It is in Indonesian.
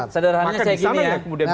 sederhananya saya gini ya